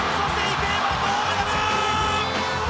池江は銅メダル！